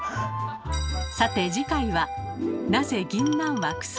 さて次回は「なぜぎんなんはくさい？」